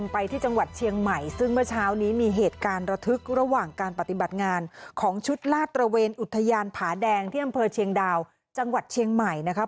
ไปที่จังหวัดเชียงใหม่ซึ่งเมื่อเช้านี้มีเหตุการณ์ระทึกระหว่างการปฏิบัติงานของชุดลาดตระเวนอุทยานผาแดงที่อำเภอเชียงดาวจังหวัดเชียงใหม่นะครับ